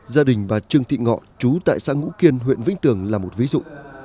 gia đình bà trương thị ngọ chú tại xã ngũ kiên huyện vĩnh tường là một ví dụ